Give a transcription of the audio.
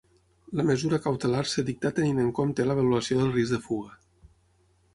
La mesura cautelar es dictà tenint en compte l'avaluació del risc de fuga.